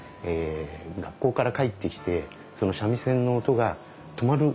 学校から帰ってきてその三味線の音が止まる頃にですね